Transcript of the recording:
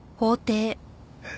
えっ？